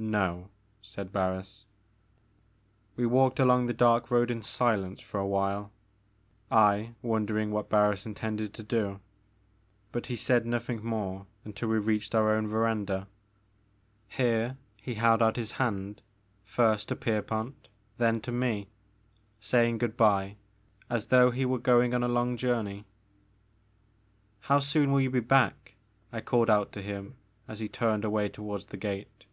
No,*' said Barris. We walked along the dark road in silence for a while, I wondering what Barris intended to do, The Maker of Moons. 63 but he said nothing more until we reached our own verandah. Here he held out his hand, first to Pierpont, then to me, saying good bye as though he were going on a long journey. How soon will you be back ?I called out to him as he turned away toward the gate.